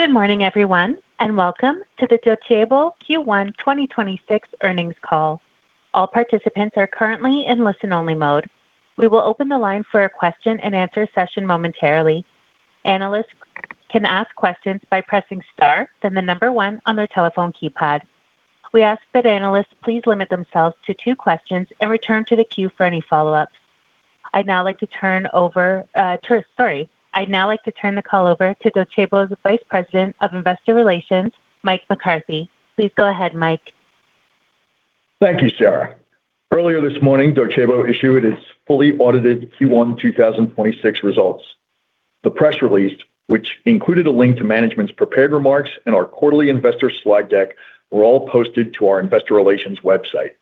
Good morning, everyone, and welcome to the Docebo Q1 2026 earnings call. All participants are currently in listen-only mode. We will open the line for a question-and-answer session momentarily. Analysts can ask questions by pressing star, then the number one on their telephone keypad. We ask that analysts please limit themselves to two questions and return to the queue for any follow-ups. I'd now like to turn the call over to Docebo's Vice President of Investor Relations, Mike McCarthy. Please go ahead, Mike. Thank you, Sarah. Earlier this morning, Docebo issued its fully audited Q1 2026 results. The press release, which included a link to management's prepared remarks and our quarterly investor slide deck, were all posted to our investor relations website.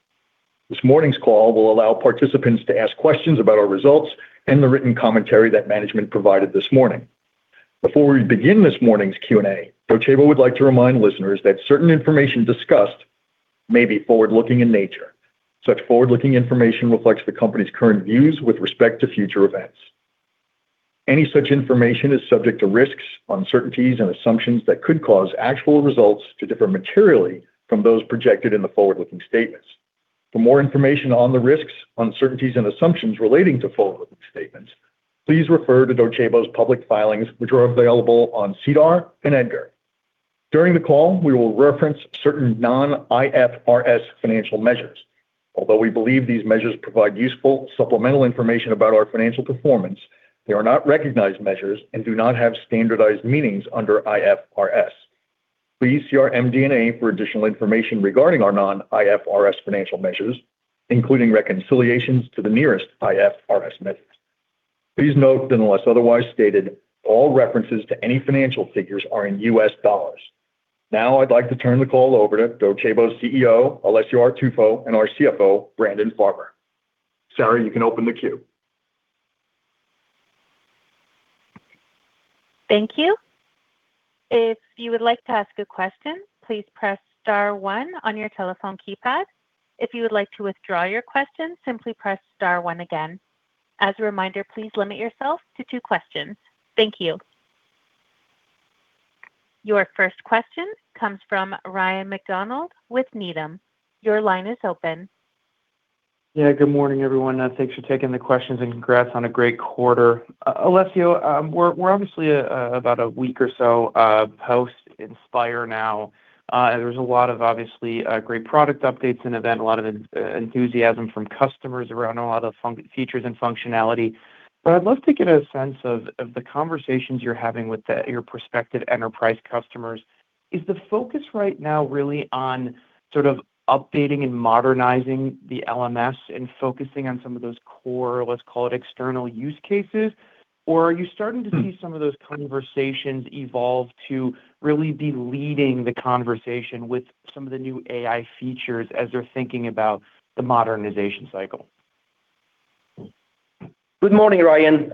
This morning's call will allow participants to ask questions about our results and the written commentary that management provided this morning. Before we begin this morning's Q&A, Docebo would like to remind listeners that certain information discussed may be forward-looking in nature. Such forward-looking information reflects the company's current views with respect to future events. Any such information is subject to risks, uncertainties, and assumptions that could cause actual results to differ materially from those projected in the forward-looking statements. For more information on the risks, uncertainties, and assumptions relating to forward-looking statements, please refer to Docebo's public filings, which are available on SEDAR and EDGAR. During the call, we will reference certain non-IFRS financial measures. Although we believe these measures provide useful supplemental information about our financial performance, they are not recognized measures and do not have standardized meanings under IFRS. Please see our MD&A for additional information regarding our non-IFRS financial measures, including reconciliations to the nearest IFRS measures. Please note that unless otherwise stated, all references to any financial figures are in U.S. dollars. Now I'd like to turn the call over to Docebo's CEO, Alessio Artuffo, and our CFO, Brandon Farber. Sarah, you can open the queue. Thank you. If you would like to ask a question, please press star one on your telephone keypad. If you would like to withdraw your question, simply press star one again. As a reminder, please limit yourself to two questions. Thank you. Your first question comes from Ryan MacDonald with Needham. Your line is open. Yeah, good morning, everyone. Thanks for taking the questions, and congrats on a great quarter. Alessio, we're obviously about a week or so post Inspire now. There's a lot of obviously great product updates and event, a lot of enthusiasm from customers around a lot of features and functionality. I'd love to get a sense of the conversations you're having with your prospective enterprise customers. Is the focus right now really on sort of updating and modernizing the LMS and focusing on some of those core, let's call it, external use cases? Or are you starting to see some of those conversations evolve to really be leading the conversation with some of the new AI features as they're thinking about the modernization cycle? Good morning, Ryan,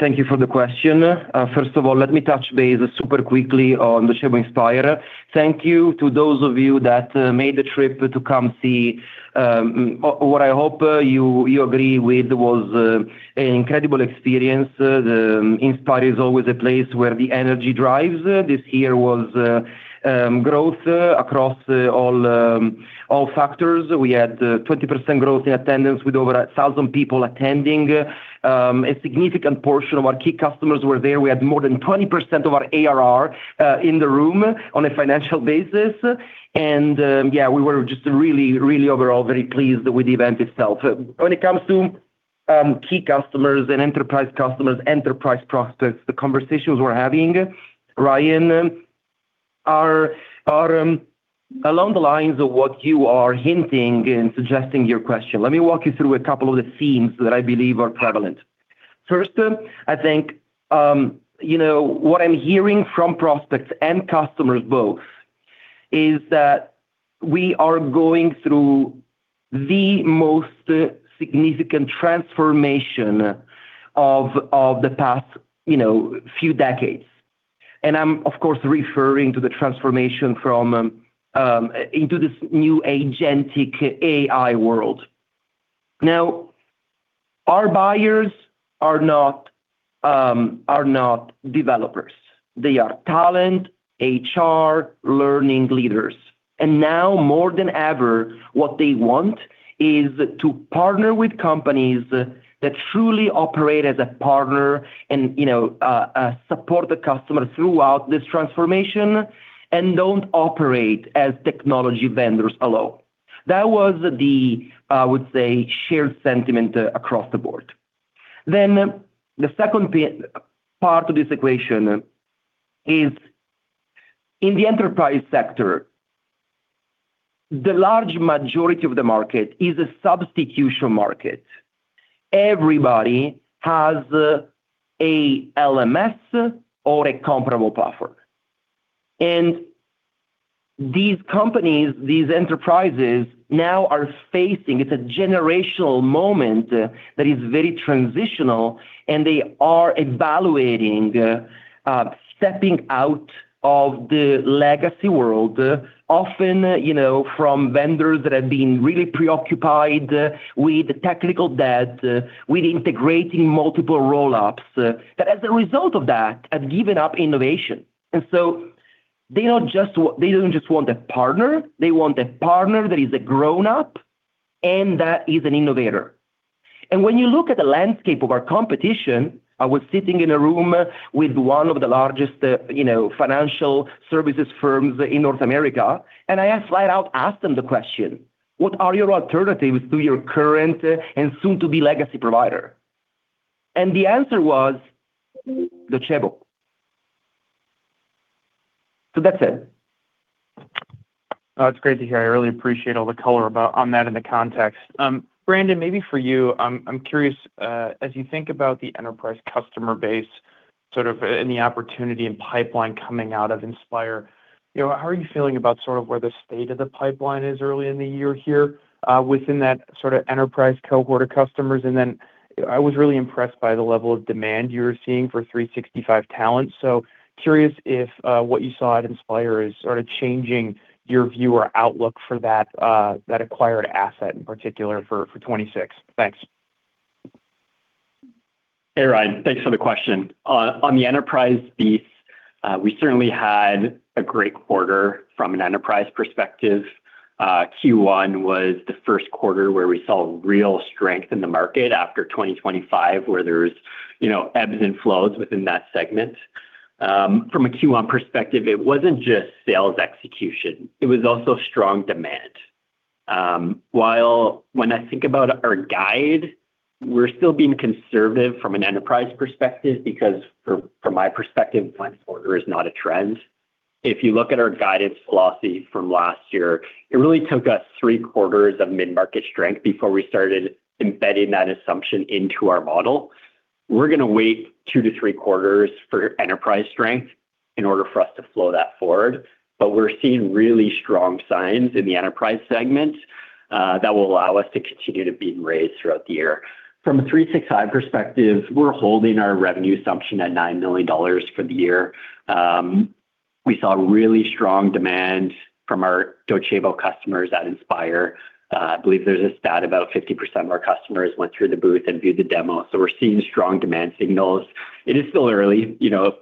thank you for the question. First of all, let me touch base super quickly on the Docebo Inspire. Thank you to those of you that made the trip to come see what I hope you agree with was an incredible experience. The Inspire is always a place where the energy drives. This year was growth across all factors. We had 20% growth in attendance with over 1,000 people attending. A significant portion of our key customers were there. We had more than 20% of our ARR in the room on a financial basis. Yeah, we were just really overall very pleased with the event itself. When it comes to key customers and enterprise customers, enterprise prospects, the conversations we're having, Ryan, are along the lines of what you are hinting and suggesting your question. Let me walk you through a couple of the themes that I believe are prevalent. First, I think, you know, what I'm hearing from prospects and customers both is that we are going through the most significant transformation of the past, you know, few decades. I'm, of course, referring to the transformation from into this new agentic AI world. Our buyers are not developers. They are talent, HR, learning leaders. Now more than ever, what they want is to partner with companies that truly operate as a partner and, you know, support the customer throughout this transformation and don't operate as technology vendors alone. That was the, I would say, shared sentiment across the board. The second part of this equation is in the enterprise sector, the large majority of the market is a substitution market. Everybody has a LMS or a comparable platform. These companies, these enterprises now are facing, it's a generational moment that is very transitional, and they are evaluating, stepping out of the legacy world, often, you know, from vendors that have been really preoccupied with technical debt, with integrating multiple roll-ups, that as a result of that, have given up innovation. They don't just want a partner, they want a partner that is a grown-up and that is an innovator. When you look at the landscape of our competition, I was sitting in a room with one of the largest, you know, financial services firms in North America, I flat out asked them the question: "What are your alternatives to your current, and soon to be legacy provider?" The answer was, "Docebo." That's it. Oh, it's great to hear. I really appreciate all the color about on that and the context. Brandon, maybe for you, I'm curious, as you think about the enterprise customer base sort of, and the opportunity and pipeline coming out of Inspire, you know, how are you feeling about sort of where the state of the pipeline is early in the year here, within that sort of enterprise cohort of customers? I was really impressed by the level of demand you were seeing for 365Talents. Curious if, what you saw at Inspire is sort of changing your view or outlook for that acquired asset in particular for 2026. Thanks. Hey, Ryan. Thanks for the question. On the enterprise piece, we certainly had a great quarter from an enterprise perspective. Q1 was the first quarter where we saw real strength in the market after 2025, where there was, you know, ebbs and flows within that segment. From a Q1 perspective, it wasn't just sales execution, it was also strong demand. While when I think about our guide, we're still being conservative from an enterprise perspective because from my perspective, one quarter is not a trend. If you look at our guidance philosophy from last year, it really took us three quarters of mid-market strength before we started embedding that assumption into our model. We're gonna wait two to three quarters for enterprise strength in order for us to flow that forward. We're seeing really strong signs in the enterprise segment that will allow us to continue to beat and raise throughout the year. From a 365Talents perspective, we're holding our revenue assumption at $9 million for the year. We saw really strong demand from our Docebo customers at Inspire. I believe there's a stat about 50% of our customers went through the booth and viewed the demo. We're seeing strong demand signals. It is still early, you know,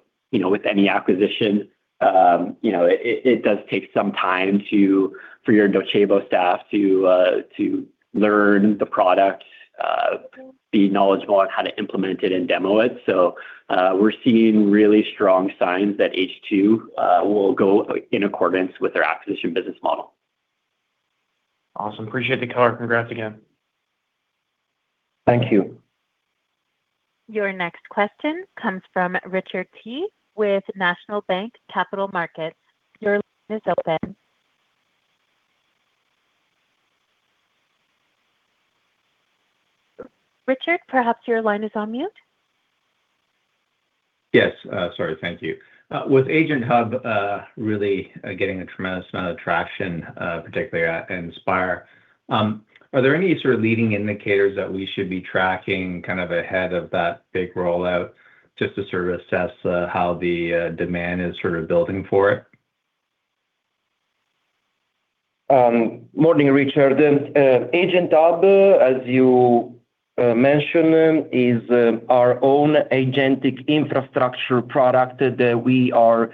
with any acquisition, it does take some time to, for your Docebo staff to learn the product, be knowledgeable on how to implement it and demo it. We're seeing really strong signs that H2 will go in accordance with their acquisition business model. Awesome. Appreciate the color. Congrats again. Thank you. Your next question comes from Richard Tse with National Bank Financial Markets. Your line is open. Richard Tse, perhaps your line is on mute. Yes. Sorry. Thank you. With AgentHub really getting a tremendous amount of traction, particularly at Docebo Inspire, are there any sort of leading indicators that we should be tracking kind of ahead of that big rollout just to sort of assess how the demand is sort of building for it? Morning, Richard. AgentHub, as you mentioned, is our own agentic infrastructure product that we are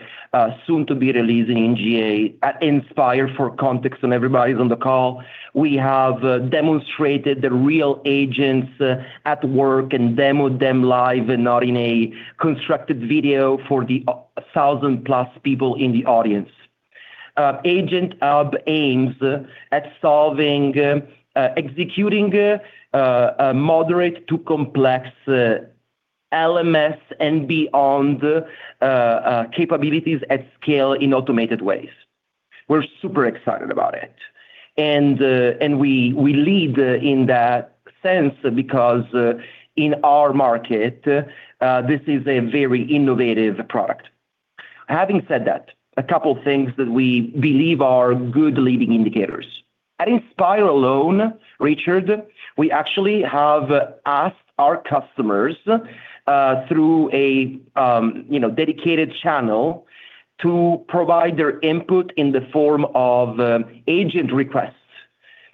soon to be releasing in GA at Inspire for context on everybody who's on the call. We have demonstrated the real agents at work and demoed them live and not in a constructed video for the 1,000+ people in the audience. AgentHub aims at solving, executing a moderate to complex LMS and beyond capabilities at scale in automated ways. We're super excited about it. We lead in that sense because in our market this is a very innovative product. Having said that, a couple things that we believe are good leading indicators. At Inspire alone, Richard, we actually have asked our customers, through a, you know, dedicated channel to provide their input in the form of agent requests.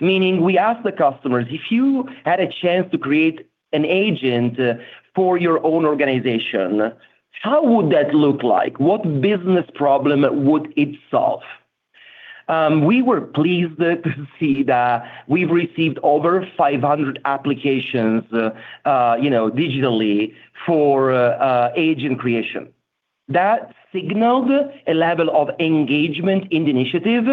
Meaning we ask the customers, "If you had a chance to create an agent, for your own organization, how would that look like? What business problem would it solve?" We were pleased to see that we've received over 500 applications, you know, digitally for agent creation. That signals a level of engagement in the initiative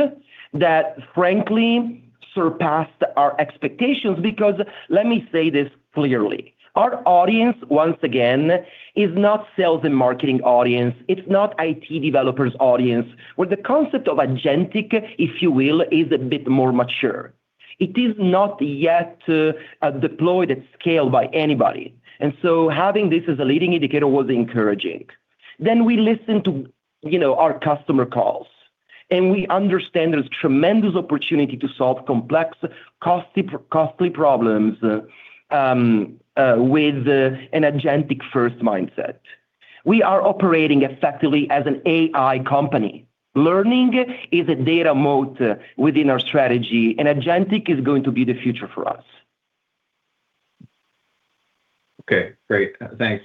that frankly surpassed our expectations because let me say this clearly, our audience, once again, is not sales and marketing audience, it's not IT developers audience, where the concept of agentic, if you will, is a bit more mature. It is not yet deployed at scale by anybody. Having this as a leading indicator was encouraging. We listen to, you know, our customer calls, and we understand there's tremendous opportunity to solve complex, costly problems with an agentic-first mindset. We are operating effectively as an AI company. Learning is a data moat within our strategy, agentic is going to be the future for us. Okay, great. Thanks.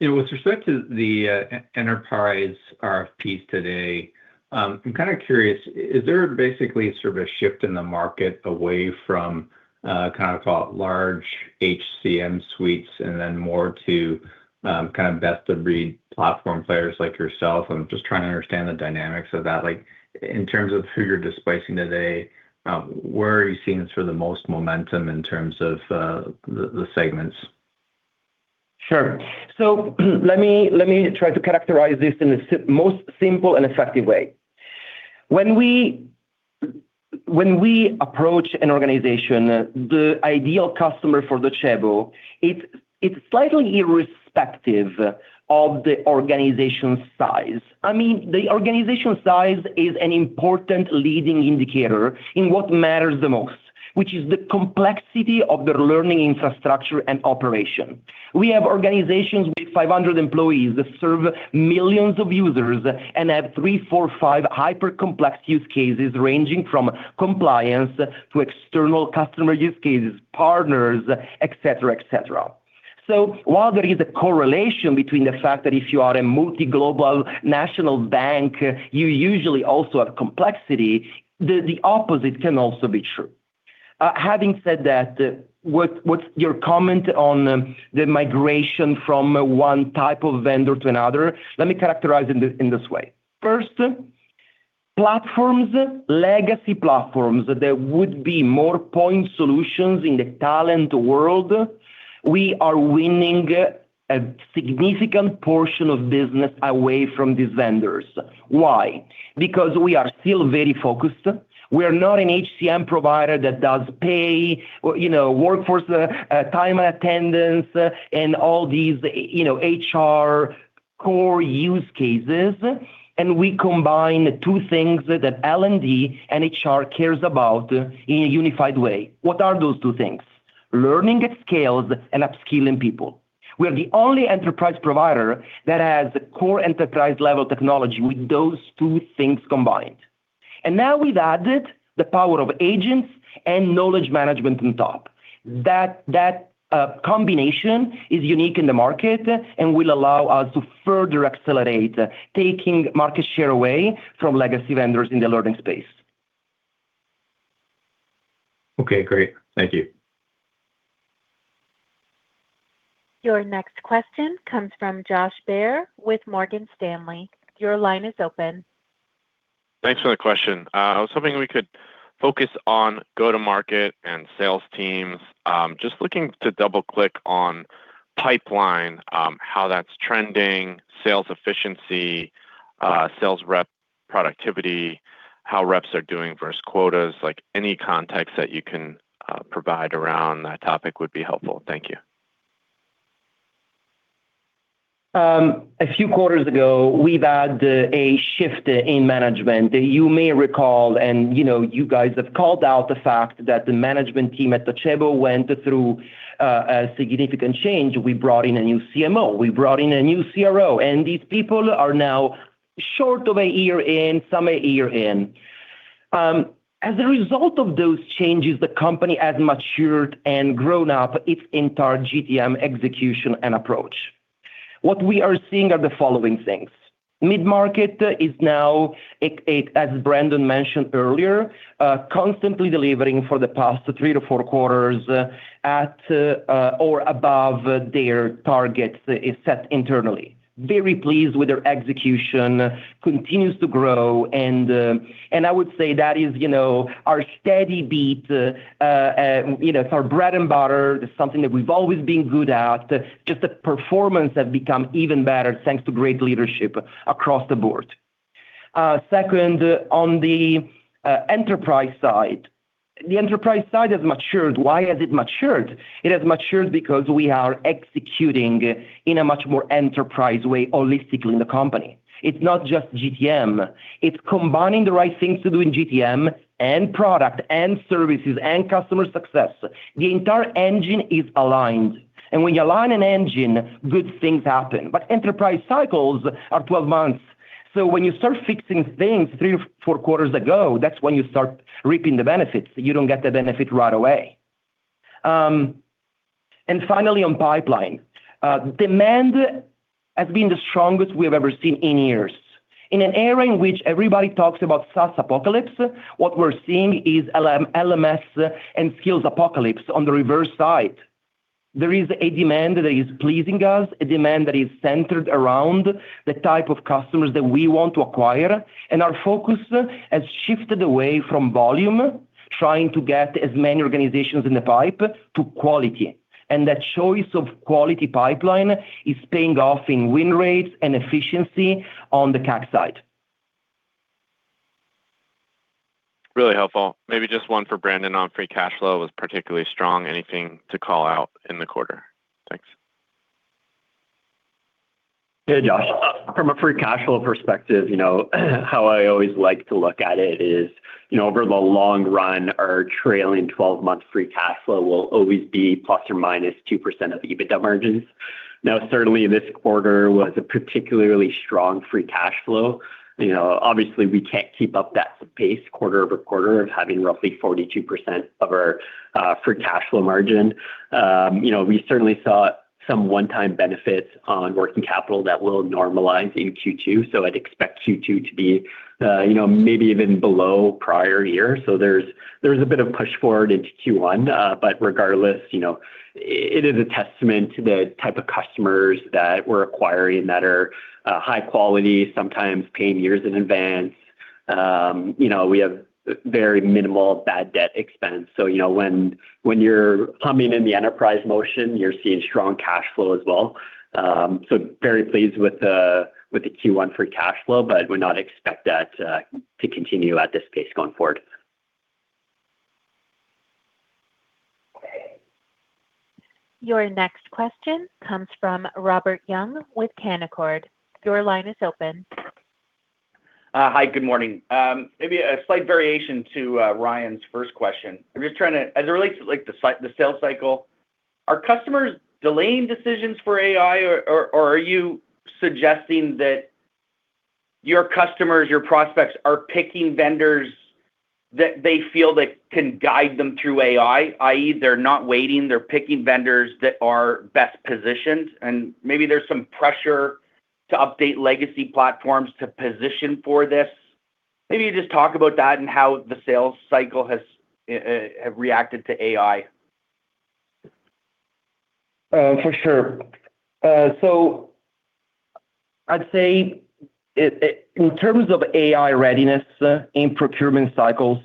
You know, with respect to the enterprise RFPs today, I'm kind of curious, is there basically sort of a shift in the market away from kind of call it large HCM suites and then more to kind of best of breed platform players like yourself? I'm just trying to understand the dynamics of that. Like in terms of who you're displacing today, where are you seeing sort of the most momentum in terms of the segments? Sure. Let me try to characterize this in the most simple and effective way. When we approach an organization, the ideal customer for Docebo, it's slightly irrespective of the organization's size. I mean, the organization size is an important leading indicator in what matters the most, which is the complexity of their learning infrastructure and operation. We have organizations with 500 employees that serve millions of users and have three, four, five hyper complex use cases ranging from compliance to external customer use cases, partners, et cetera, et cetera. While there is a correlation between the fact that if you are a multi-global national bank, you usually also have complexity. The opposite can also be true. Having said that, what's your comment on the migration from one type of vendor to another? Let me characterize in this, in this way. First, platforms, legacy platforms, there would be more point solutions in the talent world. We are winning a significant portion of business away from these vendors. Why? We are still very focused. We are not an HCM provider that does pay or, you know, workforce, time and attendance, and all these, you know, HR core use cases, and we combine two things that L&D and HR cares about in a unified way. What are those two things? Learning at scales and upskilling people. We are the only enterprise provider that has core enterprise level technology with those two things combined. Now we've added the power of agents and knowledge management on top. That combination is unique in the market and will allow us to further accelerate taking market share away from legacy vendors in the learning space. Okay, great. Thank you. Your next question comes from Josh Baer with Morgan Stanley. Your line is open. Thanks for the question. I was hoping we could focus on go-to market and sales teams. Just looking to double-click on pipeline, how that's trending, sales efficiency, sales rep productivity, how reps are doing versus quotas. Like, any context that you can provide around that topic would be helpful. Thank you. A few quarters ago, we've had a shift in management. You may recall, and you know, you guys have called out the fact that the management team at Docebo went through a significant change. We brought in a new CMO, we brought in a new CRO, and these people are now short of a year in, some a year in. As a result of those changes, the company has matured and grown up its entire GTM execution and approach. What we are seeing are the following things: mid-market is now, as Brandon mentioned earlier, constantly delivering for the past three to four quarters at or above their targets, it's set internally. Very pleased with their execution, continues to grow and I would say that is, you know, our steady beat, you know, it's our bread and butter. It's something that we've always been good at. Just the performance have become even better, thanks to great leadership across the board. Second, on the enterprise side. The enterprise side has matured. Why has it matured? It has matured because we are executing in a much more enterprise way holistically in the company. It's not just GTM, it's combining the right things to do in GTM and product and services and customer success. The entire engine is aligned. When you align an engine, good things happen. Enterprise cycles are 12 months. When you start fixing things three or four quarters ago, that's when you start reaping the benefits. You don't get the benefit right away. Finally on pipeline. Demand has been the strongest we've ever seen in years. In an era in which everybody talks about SaaS apocalypse, what we're seeing is LMS and skills apocalypse on the reverse side. There is a demand that is pleasing us, a demand that is centered around the type of customers that we want to acquire. Our focus has shifted away from volume, trying to get as many organizations in the pipe to quality. That choice of quality pipeline is paying off in win rates and efficiency on the CAC side. Really helpful. Maybe just one for Brandon on free cash flow was particularly strong. Anything to call out in the quarter? Thanks. Yeah, Josh. From a free cash flow perspective, you know, how I always like to look at it is, you know, over the long run, our trailing twelve-month free cash flow will always be ±2% of the EBITDA margin. Now certainly this quarter was a particularly strong free cash flow. You know, obviously we can't keep up that pace quarter-over-quarter of having roughly 42% of our free cash flow margin. You know, we certainly saw some one-time benefits on working capital that will normalize in Q2, so I'd expect Q2 to be, you know, maybe even below prior years. There's, there's a bit of push forward into Q1. Regardless, you know, it is a testament to the type of customers that we're acquiring that are high quality, sometimes paying years in advance. You know, we have very minimal bad debt expense. You know, when you're humming in the enterprise motion, you're seeing strong cash flow as well. We are very pleased with the Q1 free cash flow, but would not expect that to continue at this pace going forward. Your next question comes from Robert Young with Canaccord. Your line is open. Hi, good morning. Maybe a slight variation to Ryan's first question. I'm just trying to, as it relates to the sales cycle, are customers delaying decisions for AI or are you suggesting that your customers, your prospects are picking vendors that they feel they can guide them through AI, i.e., they're not waiting, they're picking vendors that are best positioned? Maybe there's some pressure to update legacy platforms to position for this. Maybe just talk about that and how the sales cycle has have reacted to AI. For sure. I'd say in terms of AI readiness, in procurement cycles,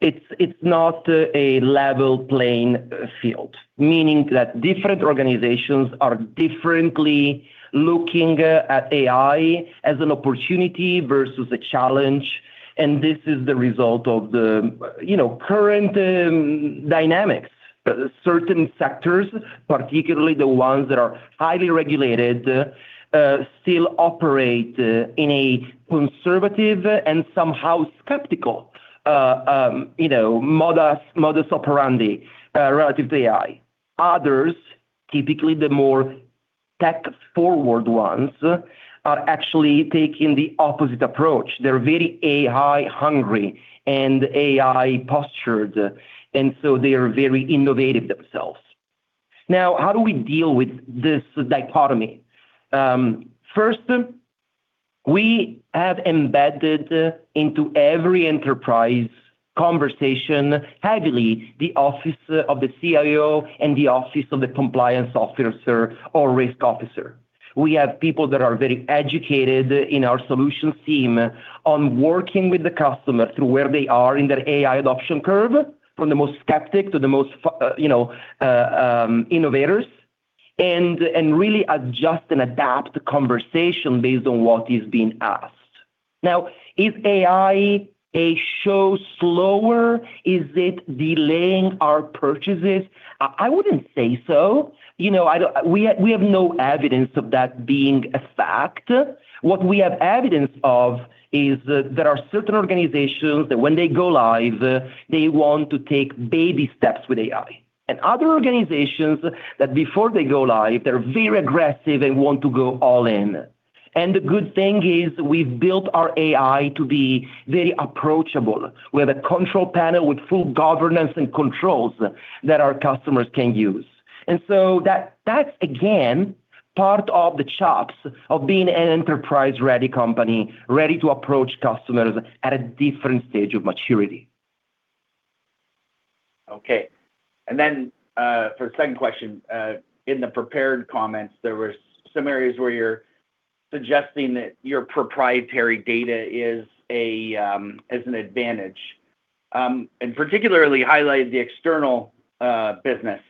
it's not a level playing field. Meaning that different organizations are differently looking at AI as an opportunity versus a challenge, and this is the result of the, you know, current dynamics. Certain sectors, particularly the ones that are highly regulated, still operate in a conservative and somehow skeptical, you know, modus operandi relative to AI. Others, typically the more tech-forward ones, are actually taking the opposite approach. They're very AI hungry and AI postured, and so they are very innovative themselves. Now, how do we deal with this dichotomy? First, we have embedded into every enterprise conversation heavily the office of the CIO and the office of the compliance officer or risk officer. We have people that are very educated in our solutions team on working with the customer through where they are in their AI adoption curve, from the most skeptic to the most, you know, innovators, and really adjust and adapt the conversation based on what is being asked. Now, is AI a show slower? Is it delaying our purchases? I wouldn't say so. You know, we have no evidence of that being a fact. What we have evidence of is that there are certain organizations that when they go live, they want to take baby steps with AI. Other organizations that before they go live, they're very aggressive and want to go all in. The good thing is we've built our AI to be very approachable. We have a control panel with full governance and controls that our customers can use. That's again, part of the chops of being an enterprise-ready company, ready to approach customers at a different stage of maturity. Okay. For the second question, in the prepared comments, there were some areas where you're suggesting that your proprietary data is an advantage, and particularly highlighted the external business.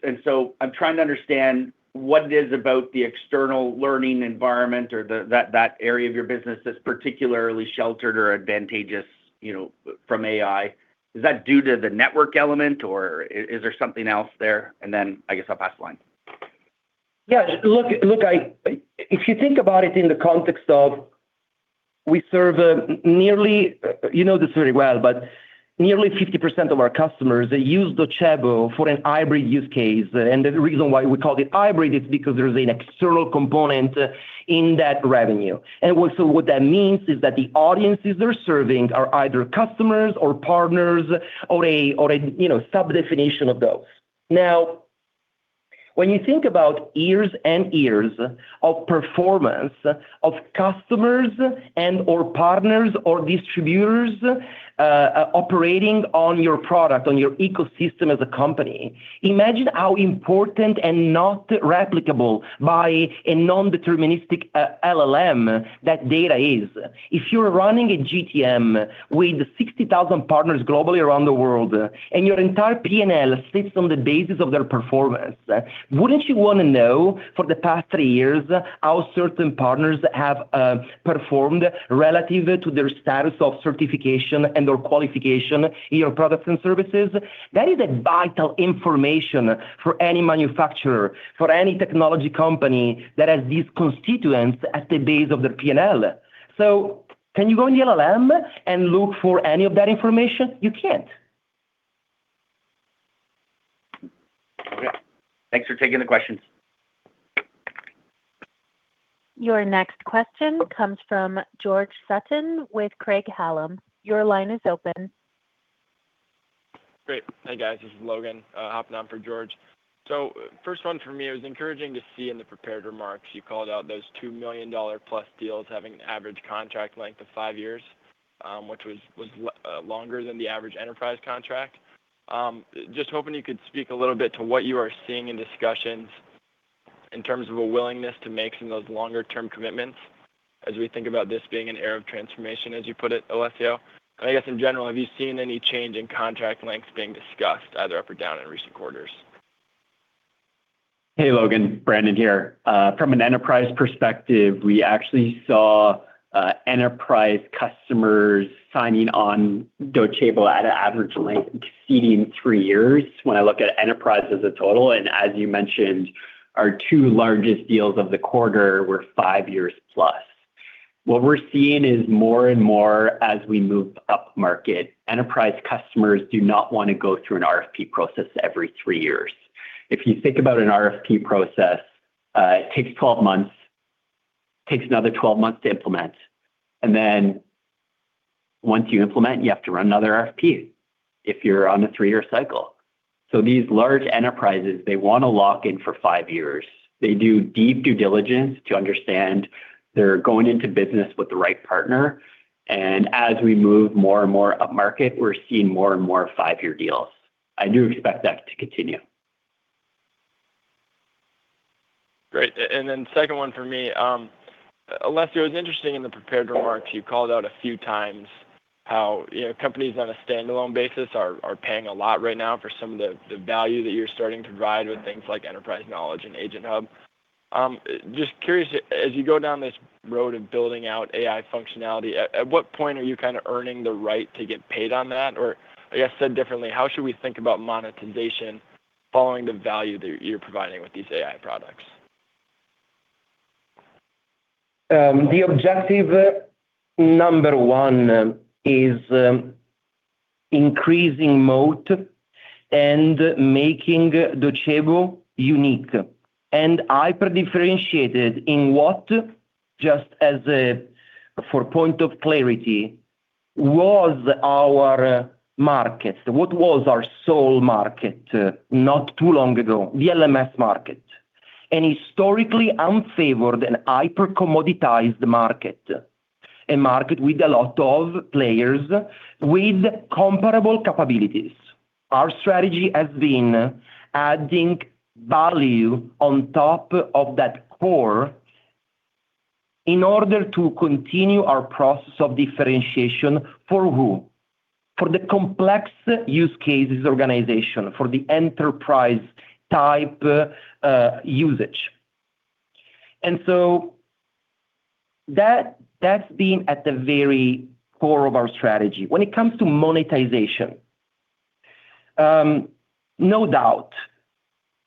I'm trying to understand what it is about the external learning environment or that area of your business that's particularly sheltered or advantageous, you know, from AI. Is that due to the network element or is there something else there? I guess I'll pass the line. Yeah, if you think about it in the context of we serve, nearly, you know this very well, but nearly 50% of our customers use Docebo for an hybrid use case. The reason why we call it hybrid is because there's an external component in that revenue. Also what that means is that the audiences they're serving are either customers or partners or a, you know, sub-definition of those. Now, when you think about years and years of performance of customers and/or partners or distributors, operating on your product, on your ecosystem as a company, imagine how important and not replicable by a non-deterministic LLM that data is. If you're running a GTM with 60,000 partners globally around the world, and your entire P&L sits on the basis of their performance, wouldn't you wanna know for the past three years how certain partners have performed relative to their status of certification and/or qualification in your products and services? That is a vital information for any manufacturer, for any technology company that has these constituents at the base of their P&L. Can you go in the LLM and look for any of that information? You can't. Okay. Thanks for taking the questions. Your next question comes from George Sutton with Craig-Hallum. Your line is open. Great. Hey guys, this is Logan, hopping on for George. First one for me, it was encouraging to see in the prepared remarks you called out those $2 million plus deals having an average contract length of five years, which was longer than the average enterprise contract. Just hoping you could speak a little bit to what you are seeing in discussions in terms of a willingness to make some of those longer-term commitments as we think about this being an era of transformation, as you put it, Alessio. I guess in general, have you seen any change in contract lengths being discussed either up or down in recent quarters? Hey, Logan. Brandon here. From an enterprise perspective, we actually saw enterprise customers signing on Docebo at an average length exceeding three years when I look at enterprise as a total. As you mentioned, our two largest deals of the quarter were five years plus. What we're seeing is more and more as we move up market, enterprise customers do not wanna go through an RFP process every three years. If you think about an RFP process, it takes 12 months. Takes another 12 months to implement. Then once you implement, you have to run another RFP if you're on a three-year cycle. These large enterprises, they wanna lock in for five years. They do deep due diligence to understand they're going into business with the right partner. As we move more and more up market, we're seeing more and more five-year deals. I do expect that to continue. Great. Second one for me, Alessio, it was interesting in the prepared remarks you called out a few times how, you know, companies on a standalone basis are paying a lot right now for some of the value that you're starting to provide with things like Enterprise Knowledge and AgentHub. Just curious, as you go down this road of building out AI functionality, at what point are you kinda earning the right to get paid on that? I guess said differently, how should we think about monetization following the value that you're providing with these AI products? The objective number one is increasing moat and making Docebo unique. I differentiated in what, just as a for point of clarity, was our market, what was our sole market not too long ago, the LMS market. An historically unfavored and hyper commoditized market, a market with a lot of players with comparable capabilities. Our strategy has been adding value on top of that core in order to continue our process of differentiation. For who? For the complex use cases organization, for the enterprise type usage. That, that's been at the very core of our strategy. When it comes to monetization, no doubt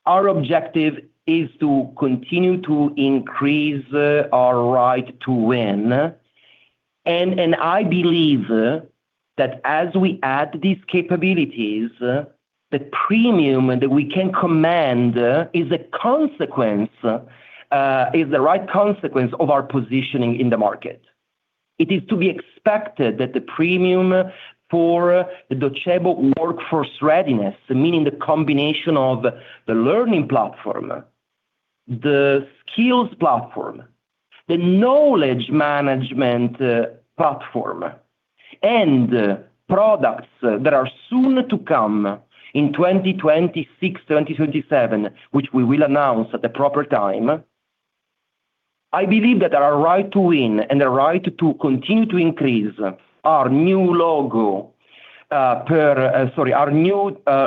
our objective is to continue to increase our right to win. I believe that as we add these capabilities, the premium that we can command is a consequence, is the right consequence of our positioning in the market. It is to be expected that the premium for the Docebo workforce readiness, meaning the combination of the learning platform, the skills platform, the knowledge management platform and products that are soon to come in 2026, 2027, which we will announce at the proper time. I believe that our right to win and the right to continue to increase our new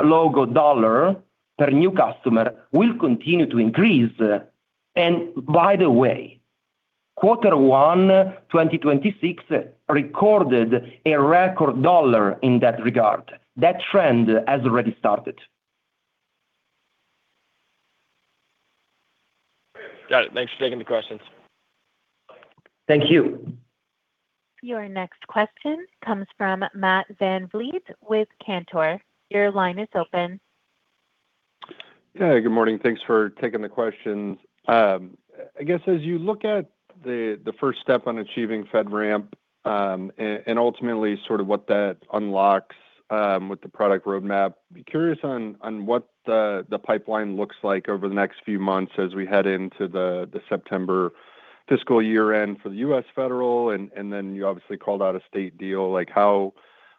logo dollar per new customer will continue to increase. By the way, quarter one 2026 recorded a record dollar in that regard. That trend has already started. Got it. Thanks for taking the questions. Thank you. Your next question comes from Matt VanVliet with Cantor. Your line is open. Yeah, good morning. Thanks for taking the questions. I guess as you look at the first step on achieving FedRAMP, and ultimately sort of what that unlocks, with the product roadmap, be curious on what the pipeline looks like over the next few months as we head into the September fiscal year end for the U.S. Federal and then you obviously called out a state deal, like how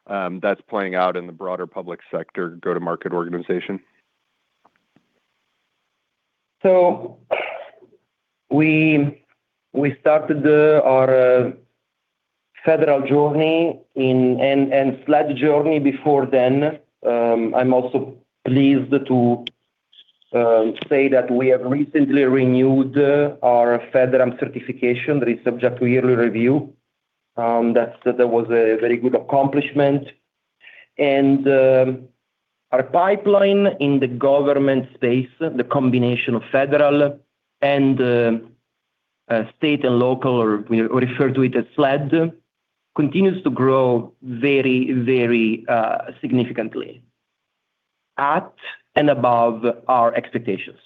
that's playing out in the broader public sector go-to-market organization. We started our Federal journey, and SLED journey before then. I'm also pleased to say that we have recently renewed our FedRAMP certification that is subject to yearly review. That was a very good accomplishment. Our pipeline in the Government space, the combination of Federal and State and Local or we refer to it as SLED, continues to grow very, very significantly at and above our expectations.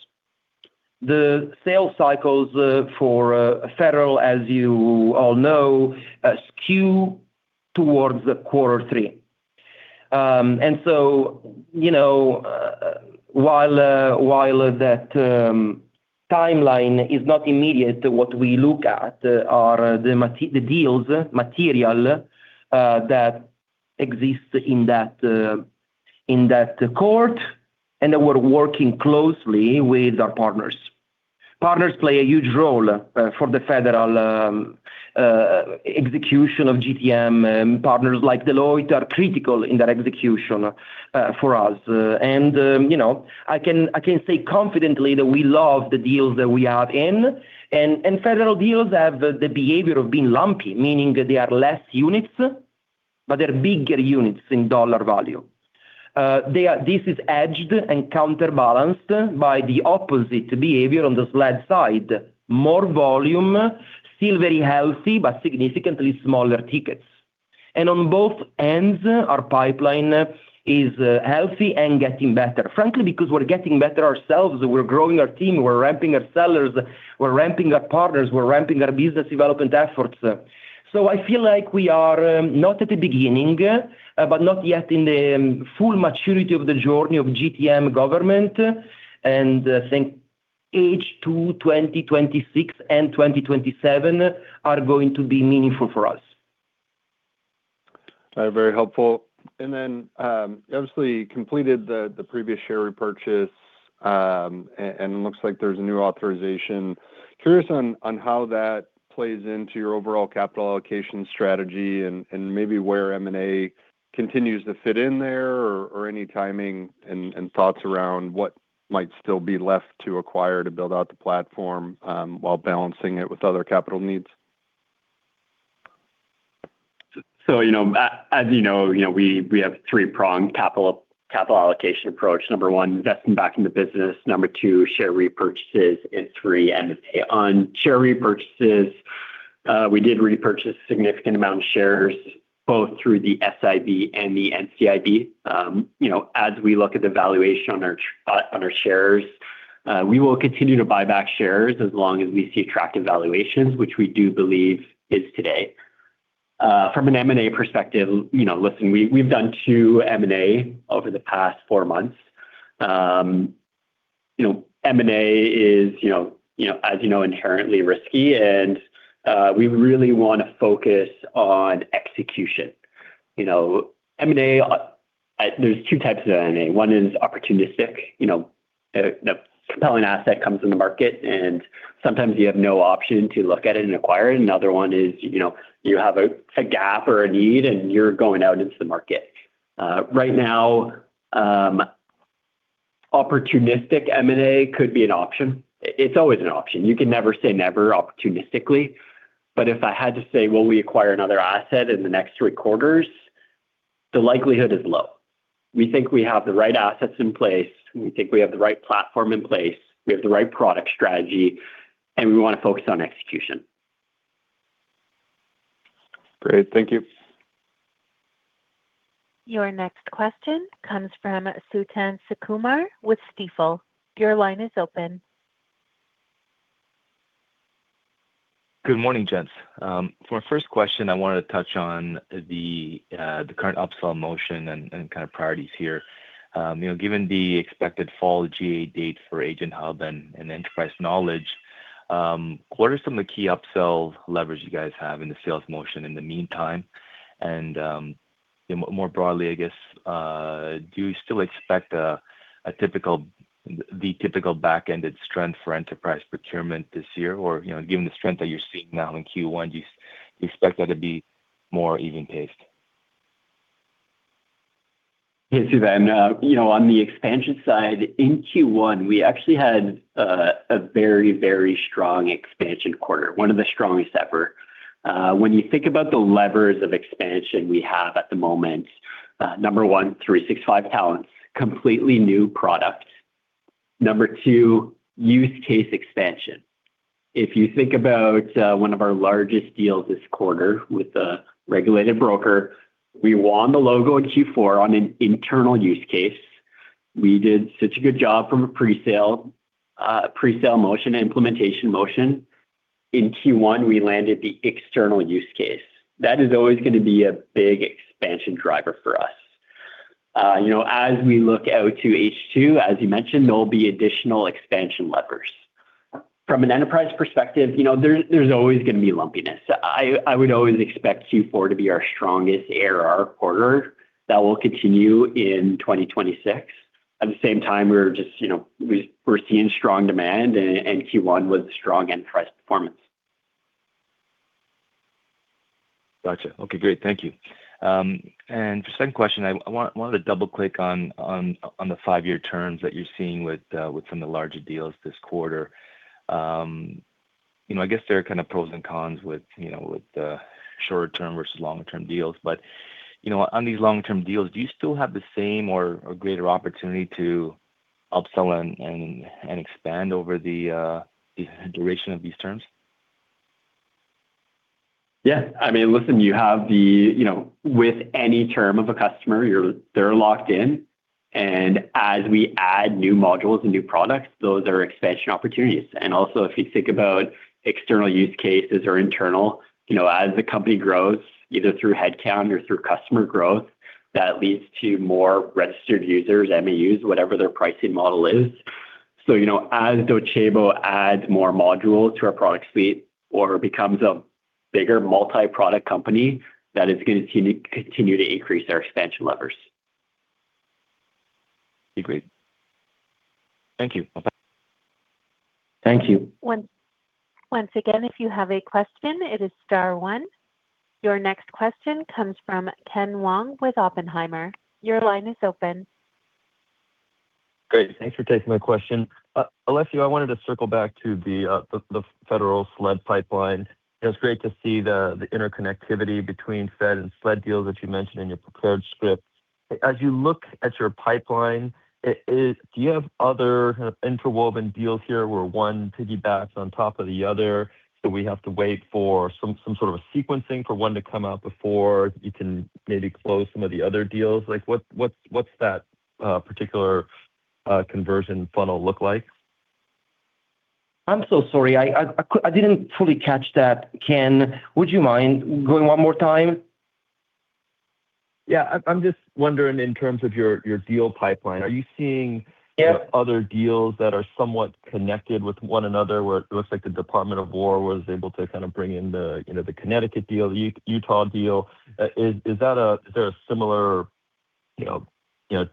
The sales cycles for federal, as you all know, skew towards the quarter three. You know, while while that timeline is not immediate to what we look at are the deals material that exists in that in that cohort, and that we're working closely with our partners. Partners play a huge role for the federal execution of GTM. Partners like Deloitte are critical in that execution for us. You know, I can, I can say confidently that we love the deals that we are in. Federal deals have the behavior of being lumpy, meaning that they are less units, but they're bigger units in dollar value. This is edged and counterbalanced by the opposite behavior on the SLED side. More volume, still very healthy, but significantly smaller tickets. On both ends, our pipeline is healthy and getting better, frankly, because we're getting better ourselves. We're growing our team. We're ramping our sellers. We're ramping our partners. We're ramping our business development efforts. I feel like we are not at the beginning, but not yet in the full maturity of the journey of GTM government, and I think H2 2026 and 2027 are going to be meaningful for us. Very helpful. Then, obviously completed the previous share repurchase, and it looks like there's a new authorization. Curious on how that plays into your overall capital allocation strategy and maybe where M&A continues to fit in there or any timing and thoughts around what might still be left to acquire to build out the platform, while balancing it with other capital needs? you know, as you know, you know, we have three-pronged capital allocation approach. Number one, investing back in the business. Number two, share repurchases. Three, M&A. On share repurchases, we did repurchase significant amount of shares both through the SIB and the NCIB. you know, as we look at the valuation on our shares, we will continue to buy back shares as long as we see attractive valuations, which we do believe is today. From an M&A perspective, you know, listen, we've done two M&A over the past four months. you know, M&A is, you know, as you know, inherently risky and we really wanna focus on execution. You know, M&A, there's two types of M&A. One is opportunistic. You know, a compelling asset comes in the market, and sometimes you have no option to look at it and acquire it. Another one is, you know, you have a gap or a need, and you're going out into the market. Right now, opportunistic M&A could be an option. It's always an option. You can never say never opportunistically. If I had to say, will we acquire another asset in the next three quarters, the likelihood is low. We think we have the right assets in place. We think we have the right platform in place. We have the right product strategy, and we wanna focus on execution. Great. Thank you. Your next question comes from Suthan Sukumar with Stifel. Your line is open. Good morning, gents. For my first question, I wanted to touch on the current upsell motion and kind of priorities here. You know, given the expected fall GA date for AgentHub and Enterprise Knowledge, what are some of the key upsell levers you guys have in the sales motion in the meantime? You know, more broadly, I guess, do you still expect a typical, the typical back-ended strength for enterprise procurement this year? You know, given the strength that you're seeing now in Q1, do you expect that to be more even paced? Yeah, Suthan. You know, on the expansion side, in Q1, we actually had a very, very strong expansion quarter, one of the strongest ever. When you think about the levers of expansion we have at the moment, number one, 365Talents, completely new product. Number two, use case expansion. If you think about one of our largest deals this quarter with a regulated broker, we won the logo in Q4 on an internal use case. We did such a good job from a presale presale motion, implementation motion. In Q1, we landed the external use case. That is always going to be a big expansion driver for us. You know, as we look out to H2, as you mentioned, there will be additional expansion levers. From an enterprise perspective, you know, there's always going to be lumpiness. I would always expect Q4 to be our strongest ARR quarter. That will continue in 2026. At the same time, we're just, you know, we're seeing strong demand and Q1 was a strong enterprise performance. Gotcha. Okay, great. Thank you. For second question, I wanted to double-click on the five-year terms that you're seeing with some of the larger deals this quarter. You know, I guess there are kind of pros and cons with, you know, with short-term versus long-term deals. You know, on these long-term deals, do you still have the same or greater opportunity to upsell and expand over the duration of these terms? Yeah. I mean, listen, you have the, you know, with any term of a customer, they're locked in. As we add new modules and new products, those are expansion opportunities. Also, if you think about external use cases or internal, you know, as the company grows, either through headcount or through customer growth, that leads to more registered users, MEUs, whatever their pricing model is. You know, as Docebo adds more modules to our product suite or becomes a bigger multi-product company, that is gonna continue to increase our expansion levers. Agreed. Thank you. Bye-bye. Thank you. Once again, if you have a question, it is star one. Your next question comes from Ken Wong with Oppenheimer. Your line is open. Great. Thanks for taking my question. Alessio, I wanted to circle back to the, the Federal SLED pipeline. It was great to see the interconnectivity between Fed and SLED deals that you mentioned in your prepared script. As you look at your pipeline, Do you have other kind of interwoven deals here where one piggybacks on top of the other, so we have to wait for some sort of a sequencing for one to come out before you can maybe close some of the other deals? Like, what's that particular conversion funnel look like? I'm so sorry. I didn't fully catch that, Ken. Would you mind going one more time? Yeah. I'm just wondering in terms of your deal pipeline, are you seeing- Yeah other deals that are somewhat connected with one another where it looks like the Department of War was able to kind of bring in the, you know, the Connecticut deal, Utah deal. Is there a similar, you know,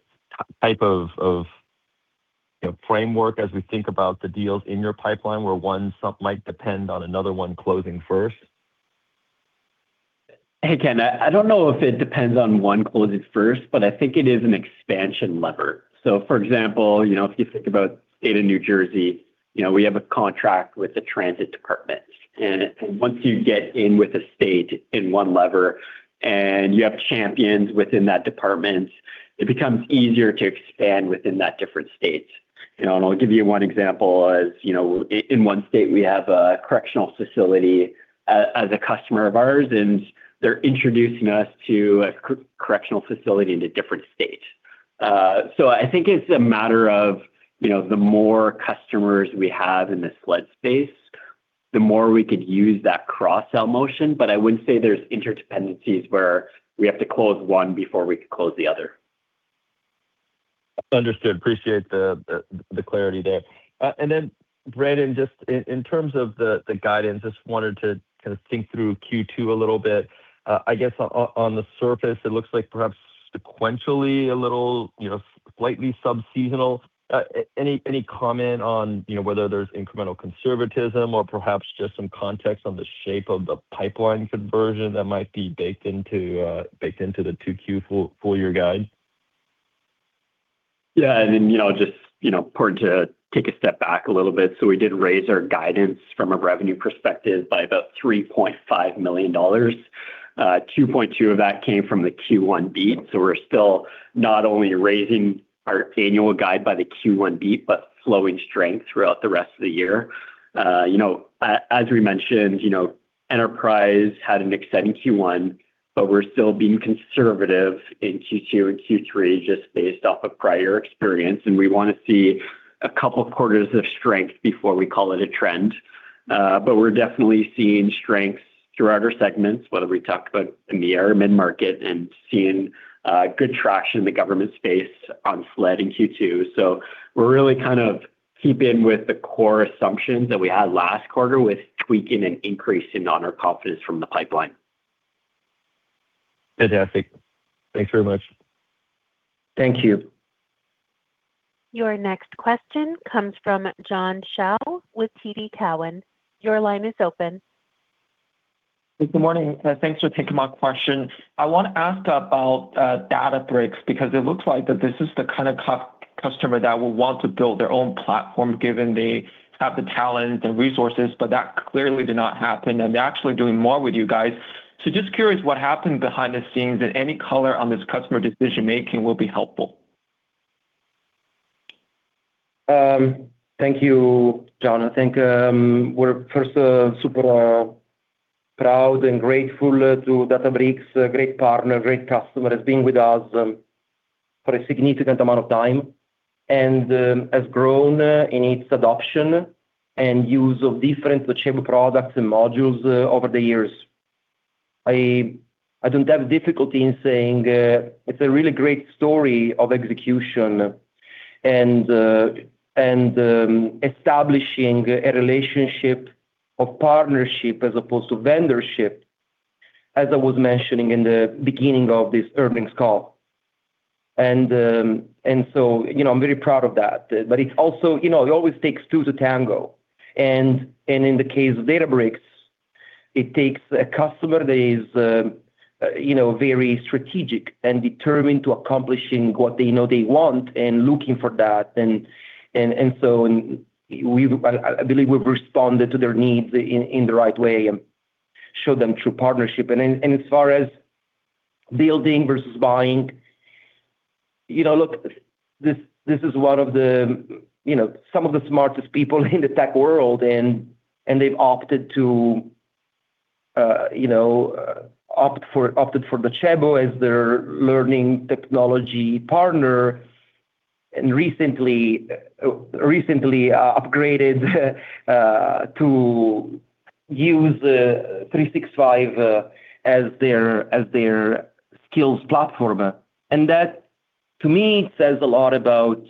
type of framework as we think about the deals in your pipeline where one some might depend on another one closing first? Hey, Ken. I don't know if it depends on one closing first, but I think it is an expansion lever. For example, you know, if you think about State of New Jersey, you know, we have a contract with the transit department. Once you get in with the state in one lever and you have champions within that department, it becomes easier to expand within that different state. You know, I'll give you one example as, you know, in one state we have a correctional facility as a customer of ours, and they're introducing us to a co-correctional facility in a different state. I think it's a matter of, you know, the more customers we have in the SLED space, the more we could use that cross-sell motion. I wouldn't say there's interdependencies where we have to close one before we could close the other. Understood. Appreciate the clarity there. Then Brandon Farber, just in terms of the guidance, just wanted to kind of think through Q2 a little bit. I guess on the surface it looks like perhaps sequentially a little, you know, slightly sub-seasonal. Any comment on, you know, whether there's incremental conservatism or perhaps just some context on the shape of the pipeline conversion that might be baked into, baked into the 2Q full year guide? You know, important to take a step back a little bit. We did raise our guidance from a revenue perspective by about $3.5 million. $2.2 million of that came from the Q1 beat, we're still not only raising our annual guide by the Q1 beat, but flowing strength throughout the rest of the year. You know, as we mentioned, you know, enterprise had an exciting Q1, we're still being conservative in Q2 and Q3 just based off of prior experience, and we want to see a couple quarters of strength before we call it a trend. We're definitely seeing strengths throughout our segments, whether we talk about in the mid-market and seeing good traction in the government space on SLED in Q2. We're really kind of keeping with the core assumptions that we had last quarter with tweaking an increase in our confidence from the pipeline. Fantastic. Thanks very much. Thank you. Your next question comes from John Shao with TD Cowen. Your line is open. Good morning. Thanks for taking my question. I want to ask about Databricks, because it looks like that this is the kind of customer that will want to build their own platform, given they have the talent, the resources, but that clearly did not happen, and they're actually doing more with you guys. Just curious what happened behind the scenes and any color on this customer decision-making will be helpful. Thank you, John. I think, we're first, super, proud and grateful to Databricks, a great partner, a great customer, has been with us, for a significant amount of time and has grown in its adoption and use of different Docebo products and modules, over the years. I don't have difficulty in saying, it's a really great story of execution and establishing a relationship of partnership as opposed to vendorship, as I was mentioning in the beginning of this earnings call. You know, I'm very proud of that. In the case of Databricks, it takes a customer that is, you know, very strategic and determined to accomplishing what they know they want and looking for that. We've responded to their needs in the right way and showed them true partnership. As far as building versus buying. You know, look, this is one of the, you know, some of the smartest people in the tech world and they've opted for Docebo as their learning technology partner. Recently upgraded to use 365Talents as their skills platform. That, to me, says a lot about,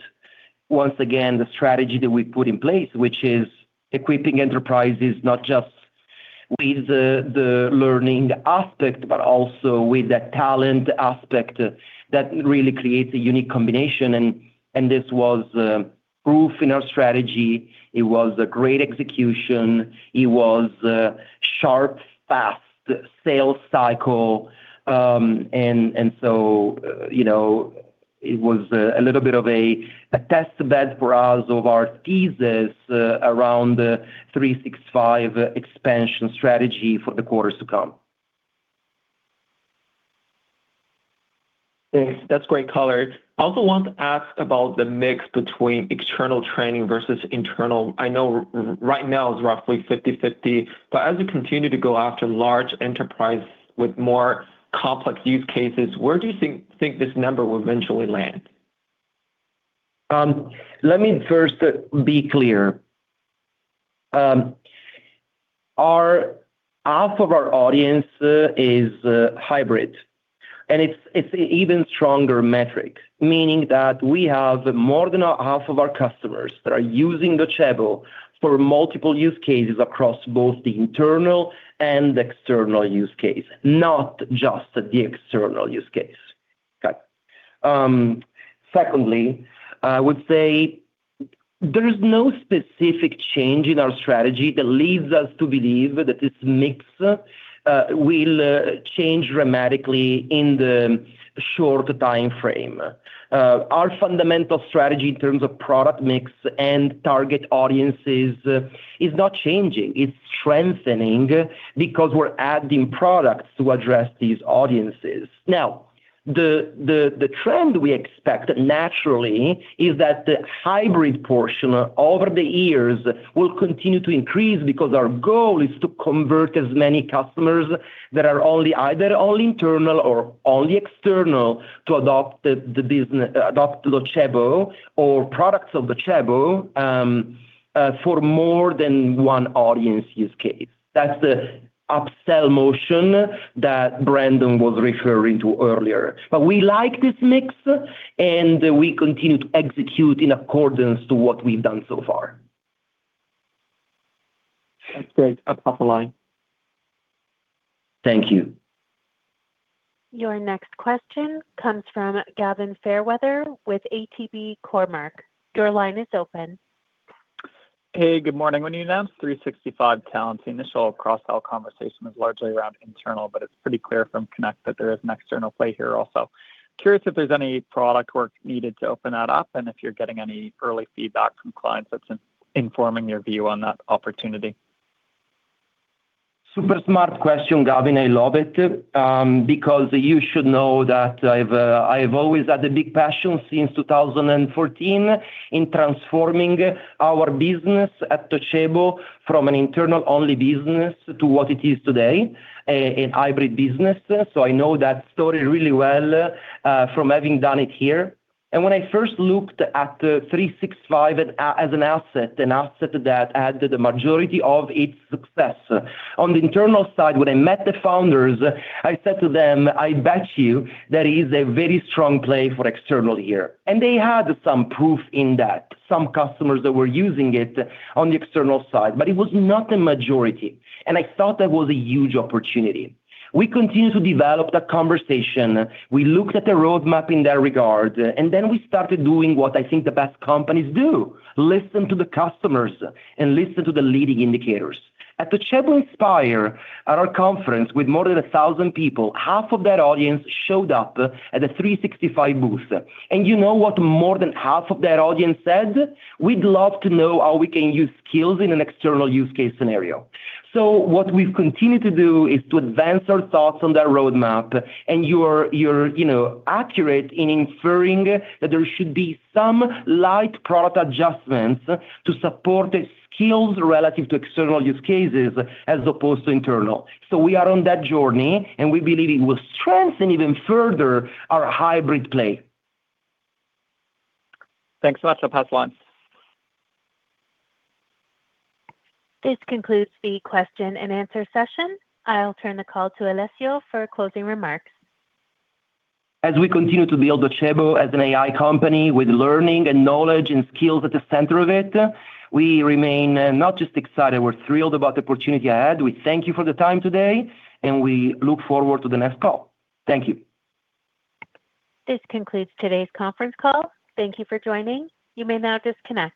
once again, the strategy that we put in place, which is equipping enterprises not just with the learning aspect, but also with the talent aspect, that really creates a unique combination. This was proof in our strategy. It was a great execution. It was a sharp, fast sales cycle. You know, it was a little bit of a test bed for us of our thesis, around the 365 expansion strategy for the quarters to come. Thanks. That's great color. I also want to ask about the mix between external training versus internal. I know right now it's roughly 50/50, but as you continue to go after large enterprise with more complex use cases, where do you think this number will eventually land? Let me first be clear. Half of our audience is hybrid, and it's an even stronger metric, meaning that we have more than a half of our customers that are using Docebo for multiple use cases across both the internal and external use case, not just the external use case. Got it. Secondly, I would say there is no specific change in our strategy that leads us to believe that this mix will change dramatically in the short timeframe. Our fundamental strategy in terms of product mix and target audiences is not changing. It's strengthening because we're adding products to address these audiences. The, the trend we expect naturally is that the hybrid portion over the years will continue to increase because our goal is to convert as many customers that are only either all internal or all external to adopt the adopt Docebo or products of Docebo for more than one audience use case. That's the upsell motion that Brandon was referring to earlier. We like this mix, and we continue to execute in accordance to what we've done so far. That's great. I'll pass the line. Thank you. Your next question comes from Gavin Fairweather with ATB Cormark. Your line is open. Hey, good morning. When you announced 365Talents, the initial cross-sell conversation was largely around internal, but it's pretty clear from Connect that there is an external play here also. Curious if there's any product work needed to open that up and if you're getting any early feedback from clients that's informing your view on that opportunity. Super smart question, Gavin. I love it, because you should know that I've always had a big passion since 2014 in transforming our business at Docebo from an internal-only business to what it is today, a hybrid business. I know that story really well from having done it here. When I first looked at 365Talents as an asset, an asset that added the majority of its success. On the internal side, when I met the founders, I said to them, "I bet you that is a very strong play for external here." They had some proof in that, some customers that were using it on the external side, but it was not a majority, and I thought that was a huge opportunity. We continued to develop that conversation. We looked at the roadmap in that regard, and then we started doing what I think the best companies do: listen to the customers and listen to the leading indicators. At Docebo Inspire, at our conference with more than 1,000 people, half of that audience showed up at the 365 booth. You know what more than half of that audience said? "We'd love to know how we can use skills in an external use case scenario." What we've continued to do is to advance our thoughts on that roadmap and you're, you know, accurate in inferring that there should be some light product adjustments to support the skills relative to external use cases as opposed to internal. We are on that journey, and we believe it will strengthen even further our hybrid play. Thanks so much. I'll pass the line. This concludes the question-and answer session. I'll turn the call to Alessio for closing remarks. As we continue to build Docebo as an AI company with learning and knowledge and skills at the center of it, we remain not just excited, we're thrilled about the opportunity ahead. We thank you for the time today, and we look forward to the next call. Thank you. This concludes today's conference call. Thank you for joining. You may now disconnect.